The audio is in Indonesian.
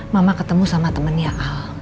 mama ketemu sama temennya al